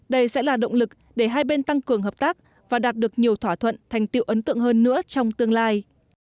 đây sẽ là động lực để hai bên tăng cường hợp tác và đạt được nhiều thỏa thuận thành tiệu ấn tượng hơn nữa trong tương lai